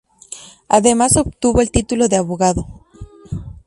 Además obtuvo el título de abogado.